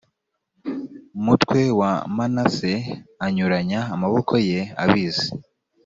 mutwe wa manase anyuranya amaboko ye abizi